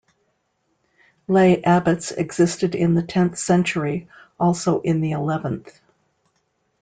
Lay abbots existed in the tenth century, also in the eleventh.